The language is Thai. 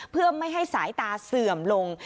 เพื่อไม่ให้สายตาเสื่อมลง